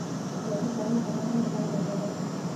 د قیمتي شیانو ساتل هم د بانک دنده ده.